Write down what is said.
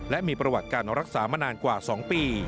และมีประวัติการรักษามานานกว่า๒ปี